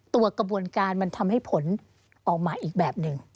กระบวนการมันทำให้ผลออกมาอีกแบบหนึ่ง